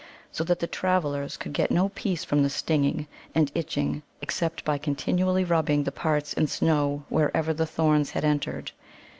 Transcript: So that the travellers could get no peace from the stinging and itching except by continually rubbing the parts in snow wherever the thorns had entered.